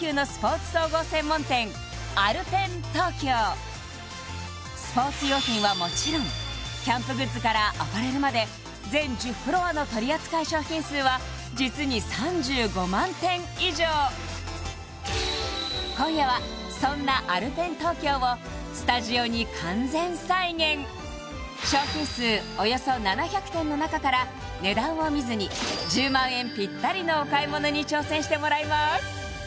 今話題のスポーツ用品はもちろんキャンプグッズからアパレルまで全１０フロアの取り扱い商品数は実に３５万点以上今夜はそんなＡｌｐｅｎＴＯＫＹＯを商品数およそ７００点の中から値段を見ずに１０万円ぴったりのお買い物に挑戦してもらいます